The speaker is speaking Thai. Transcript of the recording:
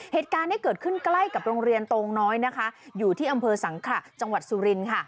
เหตุการณ์นี้เกิดขึ้นใกล้กับโรงเรียนโตงน้อยนะคะอยู่ที่อำเภอสังขระจังหวัดสุรินค่ะ